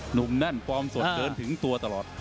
หนุ่มนั่นปลอมสดเดินถึงตัวตลอด